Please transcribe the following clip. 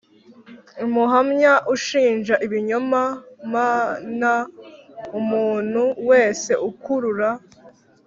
Umuhamya ushinja ibinyoma m n umuntu wese ukurura